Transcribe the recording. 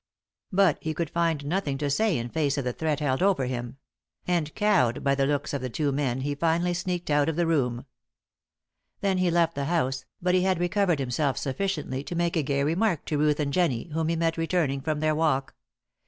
But he could find nothing to say in face of the threat held over him; and, cowed by the looks of the two men, he finally sneaked out of the room. Then he left the house, but he had recovered himself sufficiently to make a gay remark to Ruth and Jennie, whom he met returning from their walk.